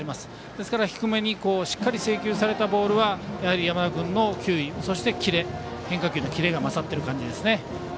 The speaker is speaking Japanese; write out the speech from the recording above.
ですから、低めにしっかり制球されたボールは山田君の球威、そして変化球のキレが勝ってる感じですね。